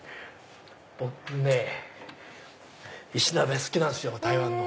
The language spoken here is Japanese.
僕ね石鍋好きなんです台湾の。